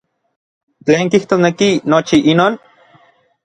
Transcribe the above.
¿Tlen kijtosneki nochi inon?